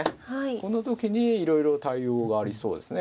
この時にいろいろ対応がありそうですね